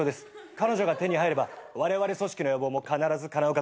彼女が手に入ればわれわれ組織の野望も必ずかなうかと。